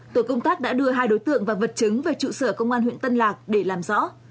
tổ công tác đã đưa hai đối tượng và vật chứng về trụ sở công an huyện tân lạc để làm rõ